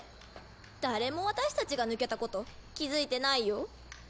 誰も私たちが抜けたこと気付いてないよ。